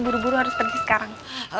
buru buru harus pergi sekarang